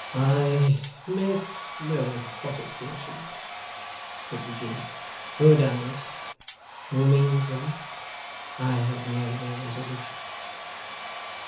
'I make no protestations,' said Eugene; ' who does, who means them! I have made a resolution.